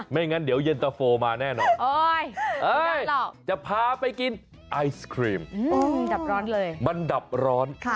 ไม่งั้นเดี๋ยวเย็นตะโฟมาแน่นอนจะพาไปกินไอศครีมมันดับร้อน